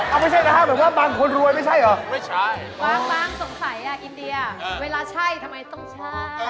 เอาไม่ใช่นะฮะแบบว่าบางคนรวยไม่ใช่เหรอไม่ใช่บางสงสัยอ่ะอินเดียเวลาใช่ทำไมต้องใช่